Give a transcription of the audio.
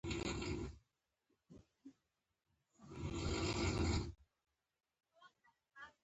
چې د سترګو په وړاندې مې مړواې کيږي.